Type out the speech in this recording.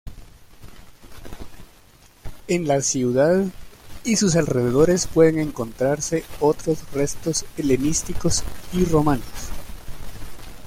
En la ciudad y sus alrededores pueden encontrarse otros restos helenísticos y romanos.